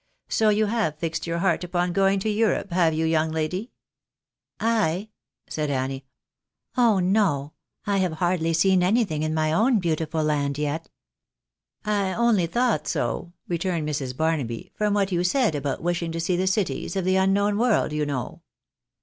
So you have fixed your heart upon going to Europe, have you, young lady ?"" I ?" said Annie. " Oh no ! I have hardly seen anything in my own beautiful land yet." " I only thought so," returned Mrs. Barnaby, "from what you said about wishing to see the cities of the unknown world, you know."